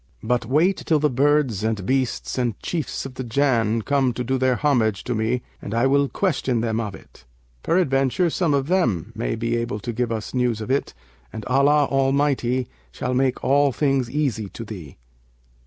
But wait till the birds and beasts and chiefs of the Jann come to do their homage to me and I will question them of it; peradventure, some one of them may be able to give us news of it and Allah Almighty shall make all things easy to thee.'